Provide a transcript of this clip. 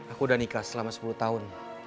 aku udah nikah selama sepuluh tahun